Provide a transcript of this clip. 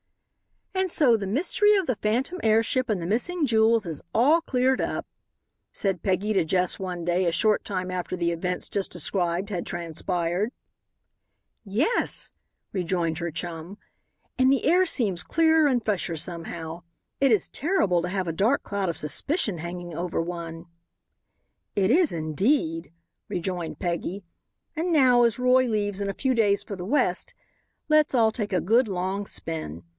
"And so the mystery of the phantom airship and the missing jewels is all cleared up," said Peggy to Jess one day a short time after the events just described had transpired. "Yes," rejoined her chum, "and the air seems clearer and fresher somehow. It is terrible to have a dark cloud of suspicion hanging over one." "It is, indeed," rejoined Peggy; "and now, as Roy leaves in a few days for the West, let's all take a good long spin.